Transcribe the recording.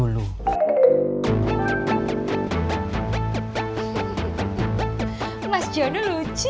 sampai nggak jadi lajar